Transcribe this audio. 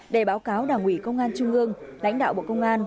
để báo cáo đảng ủy công an trung ương lãnh đạo bộ công an